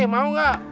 nih mau gak